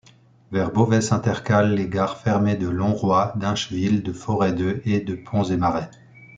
Vers Beauvais, s'intercalent les gares fermées de Longroy, d'Incheville, de Forêt-d'Eu et de Ponts-et-Marais.